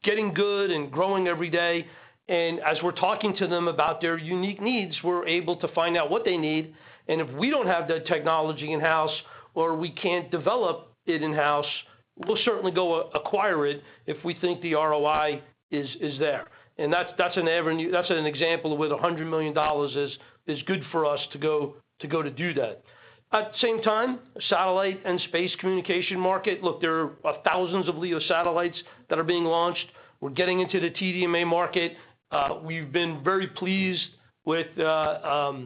getting good and growing every day. As we're talking to them about their unique needs, we're able to find out what they need. If we don't have that technology in-house or we can't develop it in-house, we'll certainly go acquire it if we think the ROI is there. That's an avenue. That's an example of where the $100 million is good for us to go to do that. At the same time, the satellite and space communications market, look, there are thousands of LEO satellites that are being launched. We're getting into the TDMA market. We've been very pleased with the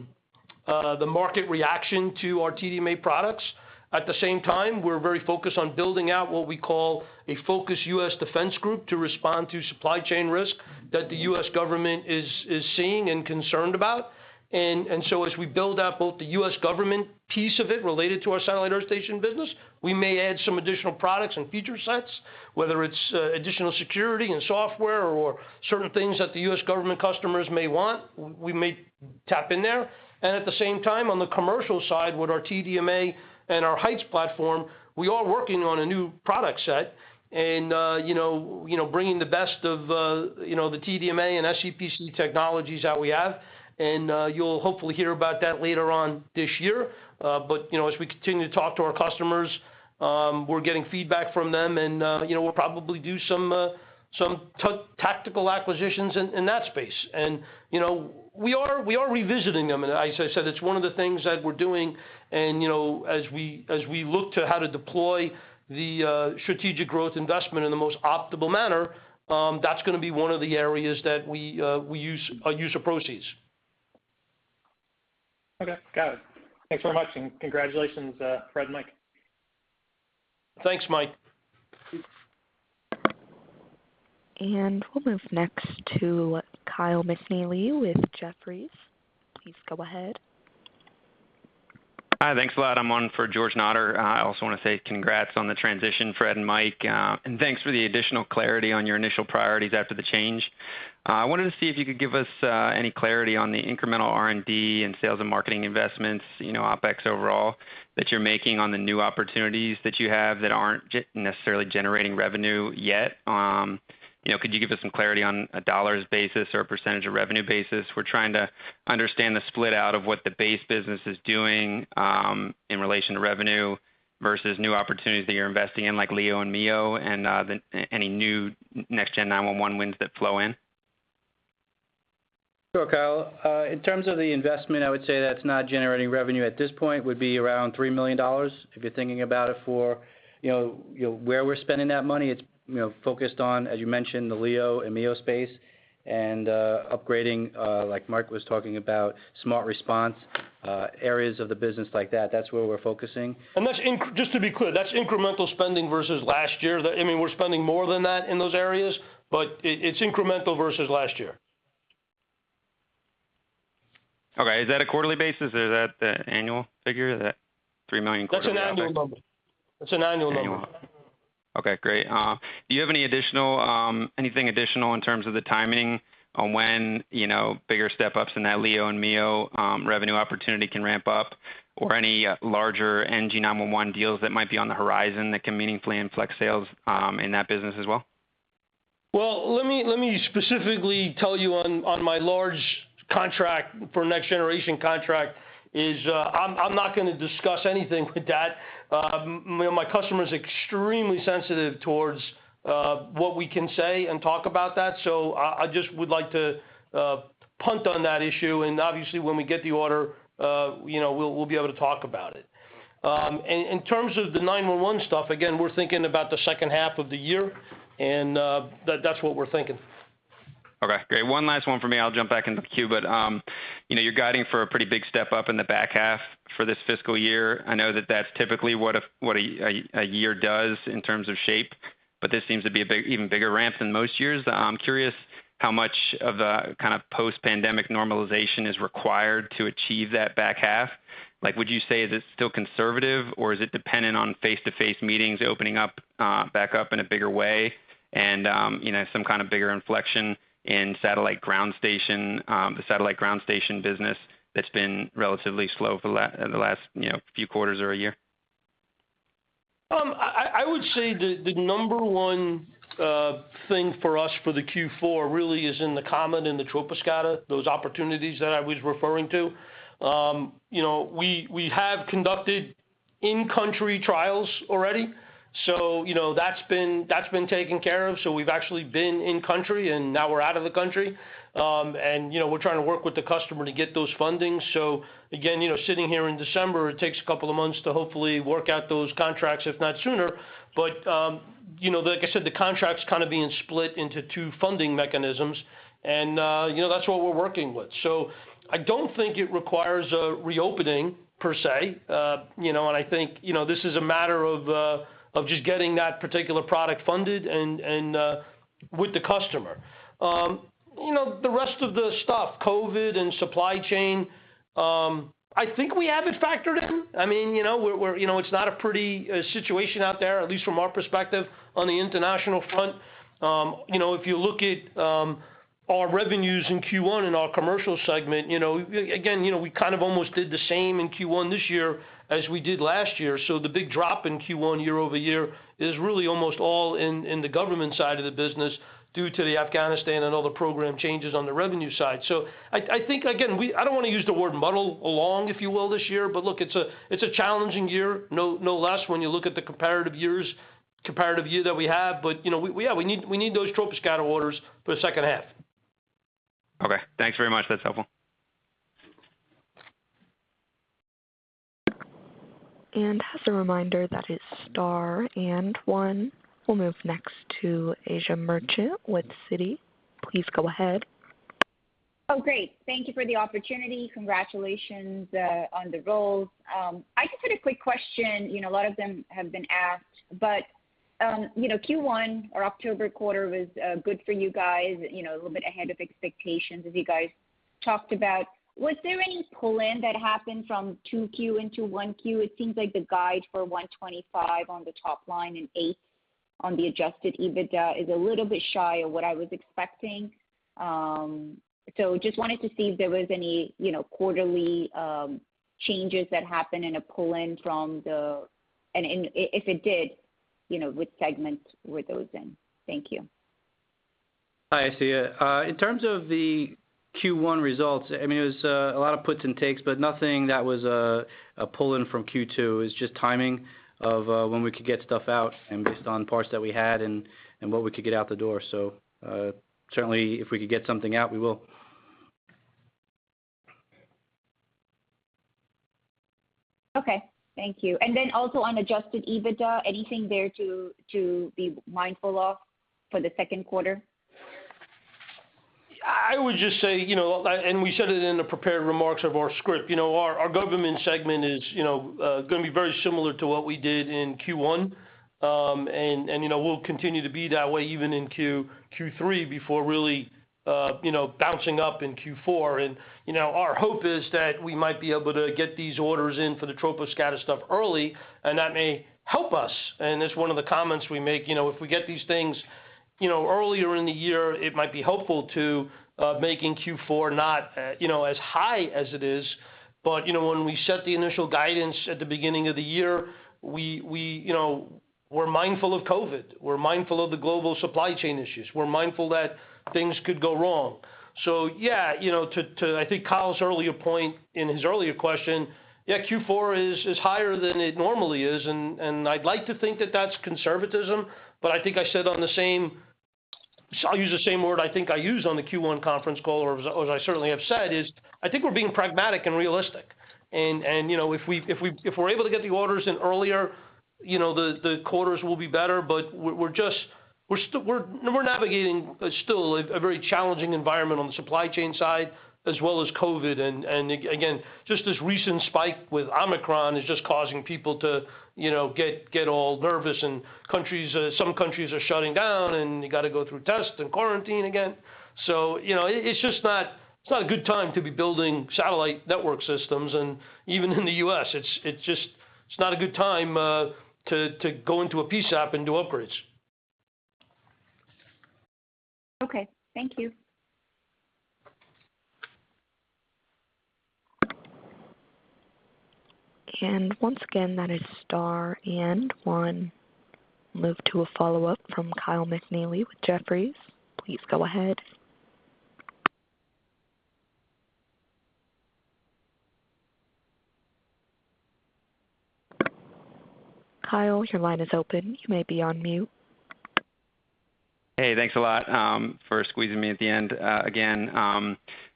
market reaction to our TDMA products. At the same time, we're very focused on building out what we call a focused U.S. defense group to respond to supply chain risk that the U.S. government is seeing and concerned about. As we build out both the U.S. government piece of it related to our satellite earth station business, we may add some additional products and feature sets, whether it's additional security and software or certain things that the U.S. government customers may want. We may tap in there. At the same time, on the commercial side, with our TDMA and our Heights platform, we are working on a new product set and, you know, bringing the best of, you know, the TDMA and SCPC technologies that we have. You'll hopefully hear about that later on this year. You know, as we continue to talk to our customers, we're getting feedback from them and, you know, we'll probably do some tactical acquisitions in that space. You know, we are revisiting them. As I said, it's one of the things that we're doing and, you know, as we look to how to deploy the strategic growth investment in the most optimal manner, that's gonna be one of the areas that we use our proceeds. Okay, got it. Thanks very much, and congratulations, Fred and Mike. Thanks, Mike. We'll move next to Kyle McNealy with Jefferies. Please go ahead. Hi. Thanks a lot. I'm on for George Notter. I also wanna say congrats on the transition, Fred and Mike, and thanks for the additional clarity on your initial priorities after the change. I wanted to see if you could give us any clarity on the incremental R&D and sales and marketing investments, you know, OpEx overall that you're making on the new opportunities that you have that aren't necessarily generating revenue yet. You know, could you give us some clarity on a dollars basis or a percentage of revenue basis? We're trying to understand the split-out of what the base business is doing in relation to revenue versus new opportunities that you're investing in like LEO and MEO and any new next-gen 911 wins that flow in. Sure, Kyle. In terms of the investment, I would say that's not generating revenue at this point, would be around $3 million. If you're thinking about it for, you know, where we're spending that money, it's, you know, focused on, as you mentioned, the LEO and MEO space and, upgrading, like Mike was talking about, SmartResponse, areas of the business like that. That's where we're focusing. Just to be clear, that's incremental spending versus last year. I mean, we're spending more than that in those areas, but it's incremental versus last year. Okay. Is that a quarterly basis or is that the annual figure, that $3 million quarterly OpEx? That's an annual number. Okay, great. Do you have any additional in terms of the timing on when, you know, bigger step-ups in that LEO and MEO revenue opportunity can ramp up or any larger NG911 deals that might be on the horizon that can meaningfully inflect sales in that business as well? Well, let me specifically tell you on my large contract for Next Generation contract is, I'm not gonna discuss anything with that. You know, my customer is extremely sensitive towards what we can say and talk about that. I just would like to punt on that issue. Obviously when we get the order, you know, we'll be able to talk about it. In terms of the 911 stuff, again, we're thinking about the second half of the year, and that's what we're thinking. Okay. Great. One last one for me. I'll jump back into queue. You know, you're guiding for a pretty big step up in the back half for this fiscal year. I know that that's typically what a year does in terms of shape, but this seems to be a big even bigger ramp than most years. I'm curious how much of the kind of post-pandemic normalization is required to achieve that back half. Like would you say is it still conservative or is it dependent on face-to-face meetings opening up back up in a bigger way and you know, some kind of bigger inflection in satellite ground station the satellite ground station business that's been relatively slow for the last you know, few quarters or a year? I would say the number one thing for us for the Q4 really is in the COMET and the troposcatter, those opportunities that I was referring to. You know, we have conducted in-country trials already. You know, that's been taken care of. So we've actually been in-country, and now we're out of the country. You know, we're trying to work with the customer to get those fundings. So again, you know, sitting here in December, it takes a couple of months to hopefully work out those contracts if not sooner. You know, like I said, the contract's kind of being split into two funding mechanisms and, you know, that's what we're working with. So I don't think it requires a reopening per se. You know, I think this is a matter of just getting that particular product funded and with the customer. You know, the rest of the stuff, COVID and supply chain, I think we have it factored in. I mean, you know, we're you know, it's not a pretty situation out there, at least from our perspective on the international front. You know, if you look at our revenues in Q1 in our commercial segment, you know, you know, we kind of almost did the same in Q1 this year as we did last year. The big drop in Q1 year-over-year is really almost all in the government side of the business due to the Afghanistan and all the program changes on the revenue side. I think, again, I don't wanna use the word muddle along, if you will, this year, but look, it's a challenging year, no less when you look at the comparative year that we have. You know, we need those Tropo scatter orders for the second half. Okay, thanks very much. That's helpful. As a reminder, that is star 1. We'll move next to Asiya Merchant with Citi. Please go ahead. Oh, great. Thank you for the opportunity. Congratulations on the roles. I just had a quick question. You know, a lot of them have been asked, but you know, Q1 or October quarter was good for you guys, you know, a little bit ahead of expectations as you guys talked about. Was there any pull-in that happened from 2Q into 1Q? It seems like the guide for $125 million on the top line and $8 million on the Adjusted EBITDA is a little bit shy of what I was expecting. So just wanted to see if there was any, you know, quarterly changes that happened in a pull-in from the. If it did, you know, which segments were those in? Thank you. Hi, Asiya. In terms of the Q1 results, I mean, it was a lot of puts and takes, but nothing that was a pull-in from Q2. It's just timing of when we could get stuff out and based on parts that we had and what we could get out the door. Certainly if we could get something out, we will. Okay. Thank you. Also on Adjusted EBITDA, anything there to be mindful of for the second quarter? I would just say, you know, and we said it in the prepared remarks of our script, you know, our government segment is, you know, gonna be very similar to what we did in Q1. We'll continue to be that way even in Q3 before really, you know, bouncing up in Q4. Our hope is that we might be able to get these orders in for the troposcatter stuff early, and that may help us. That's one of the comments we make, you know, if we get these things, you know, earlier in the year, it might be helpful to making Q4 not, you know, as high as it is. When we set the initial guidance at the beginning of the year, we were mindful of COVID. We're mindful of the global supply chain issues. We're mindful that things could go wrong. Yeah, you know, to I think Kyle's earlier point in his earlier question, yeah, Q4 is higher than it normally is, and I'd like to think that that's conservatism. I think I said on the same. I'll use the same word I think I used on the Q1 conference call, or as I certainly have said, is I think we're being pragmatic and realistic. You know, if we're able to get the orders in earlier, you know, the quarters will be better, but we're just navigating still a very challenging environment on the supply chain side as well as COVID. Again, just this recent spike with Omicron is just causing people to, you know, get all nervous. Countries, some countries are shutting down, and you gotta go through tests and quarantine again. You know, it's just not a good time to be building satellite network systems. Even in the U.S., it's just not a good time to go into a PSAP and do upgrades. Okay. Thank you. Once again, that is star and one. Move to a follow-up from Kyle McNealy with Jefferies. Please go ahead. Kyle, your line is open. You may be on mute. Hey, thanks a lot for squeezing me at the end. Again,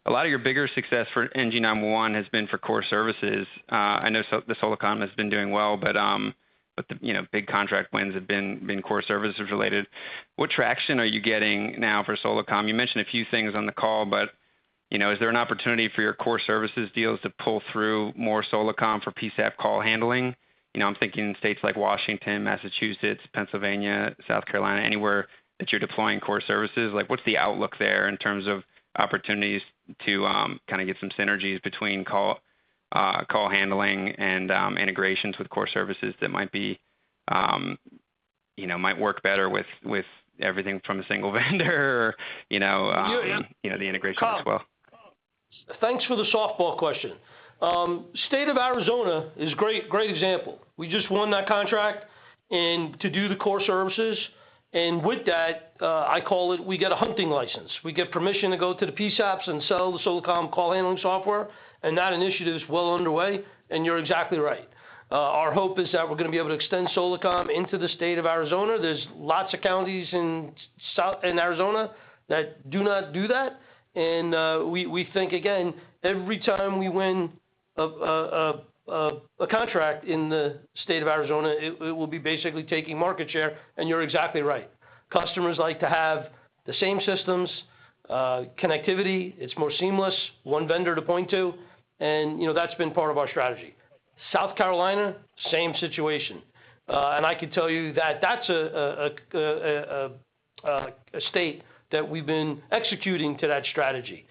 a lot of your bigger success for NG911 has been for core services. I know the Solacom has been doing well, but the, you know, big contract wins have been core services related. What traction are you getting now for Solacom? You mentioned a few things on the call, but, you know, is there an opportunity for your core services deals to pull through more Solacom for PSAP call handling? You know, I'm thinking states like Washington, Massachusetts, Pennsylvania, South Carolina, anywhere that you're deploying core services. Like, what's the outlook there in terms of opportunities to kinda get some synergies between call handling and integrations with core services that might be, you know, might work better with everything from a single vendor, you know, the integration as well? Kyle, thanks for the softball question. State of Arizona is great example. We just won that contract to do the core services. With that, I call it we get a hunting license. We get permission to go to the PSAPs and sell the Solacom call handling software, and that initiative is well underway. You're exactly right. Our hope is that we're gonna be able to extend Solacom into the State of Arizona. There's lots of counties in Arizona that do not do that. We think, again, every time we win a contract in the State of Arizona, it will be basically taking market share. You're exactly right. Customers like to have the same systems, connectivity. It's more seamless, one vendor to point to, you know, that's been part of our strategy. South Carolina, same situation. I can tell you that that's a state that we've been executing to that strategy.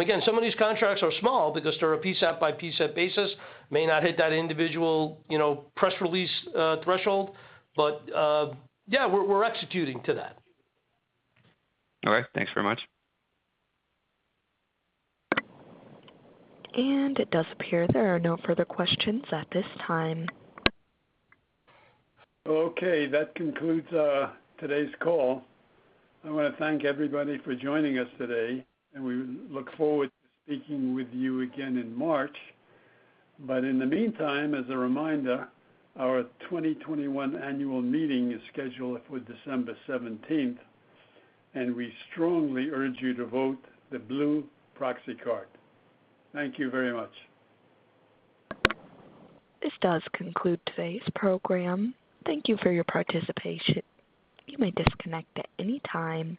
Again, some of these contracts are small because they're a PSAP by PSAP basis, may not hit that individual, you know, press release threshold. Yeah, we're executing to that. All right. Thanks very much. It does appear there are no further questions at this time. Okay. That concludes today's call. I wanna thank everybody for joining us today, and we look forward to speaking with you again in March. In the meantime, as a reminder, our 2021 annual meeting is scheduled for December seventeenth, and we strongly urge you to vote the blue proxy card. Thank you very much. This does conclude today's program. Thank you for your participation. You may disconnect at any time.